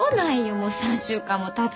もう３週間もたつのに。